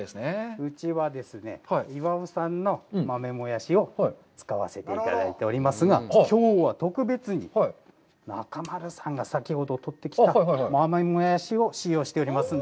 うちはですね、巌さんの豆もやしを使わせていただいておりますが、きょうは特別に中丸さんが先ほど取ってきた豆もやしを使用しておりますので。